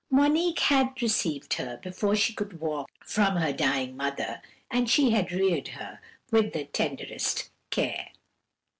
"Monique had received her, before she could walk, from her dying mother, and she had reared her with the tenderest care.